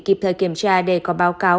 kịp thời kiểm tra để có báo cáo